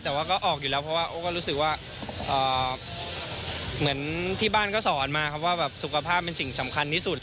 แต่ว่าก็ออกอยู่แล้วเพราะว่าโอ้ก็รู้สึกว่าเหมือนที่บ้านก็สอนมาครับว่าสุขภาพเป็นสิ่งสำคัญที่สุด